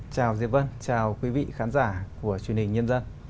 chào diệp vân chào quý vị khán giả của truyền hình nhân dân